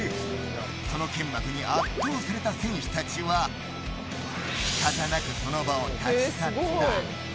その剣幕に圧倒された選手たちは仕方なくその場を立ち去った。